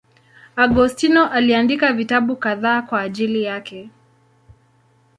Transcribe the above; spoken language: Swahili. Augustino aliandika vitabu kadhaa kwa ajili yake.